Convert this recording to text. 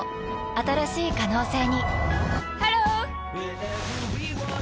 新しい可能性にハロー！